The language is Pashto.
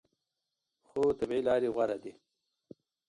خو طبیعي لارې غوره دي.